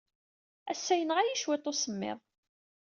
Ass-a, yenɣa-iyi cwiṭ usemmiḍ.